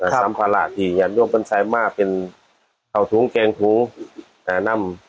ครับสำพระหละที่อย่างดวงเป็นไซม่าเป็นเขาถุงแกงถุงอ่านำ